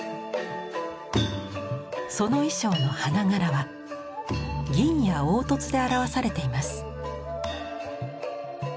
その衣装の花柄は銀や凹凸で表されています。